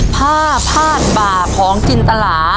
ผ้าพาดบ่าของจินตลา